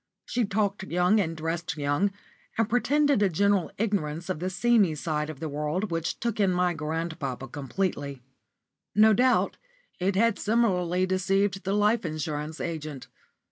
She talked young and dressed young, and pretended a general ignorance of the seamy side of the world which took in my grandpapa completely. No doubt it had similarly deceived the life insurance agent.